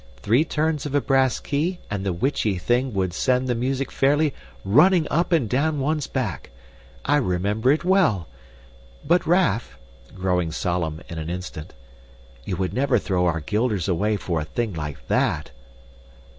"Three turns of a brass key and the witchy thing would send the music fairly running up and down one's back. I remember it well. But, Raff" growing solemn in an instant "you would never throw our guilders away for a thing like that?"